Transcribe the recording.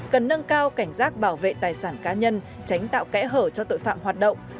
cần nâng cao cảnh giác bảo vệ tài sản cá nhân tránh tạo kẽ hở cho tội phạm hoạt động